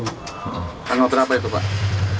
tanggal berapa itu pak